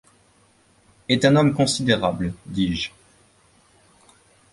Est un homme considérable, dis-je.